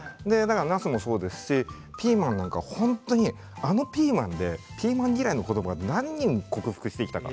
なすもそうですしピーマンなんか本当にあのピーマンでピーマン嫌いの子どもが何人克服してきたか。